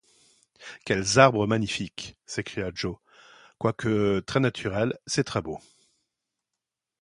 Quels arbres magnifiques! s’écria Joe ; quoique très naturel, c’est très beau !